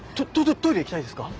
トトイレ行きたいですか？